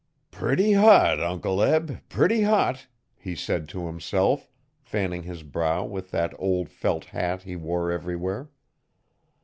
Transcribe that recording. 'Pretty hot, Uncle Eb, pretty hot,' he said to himself, fanning his brow with that old felt hat he wore everywhere.